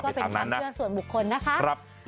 ก็เป็นความเชื่อส่วนบุคคลนะคะ